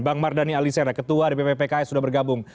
bang mardhani alisera ketua dpp pks sudah bergabung